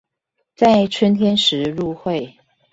在春天時入會